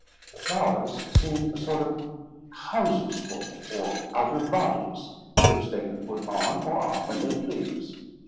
The flowers seem a sort of houses for them, or outer bodies, which they can put on or off when they please.